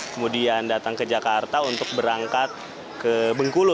kemudian datang ke jakarta untuk berangkat ke bengkulu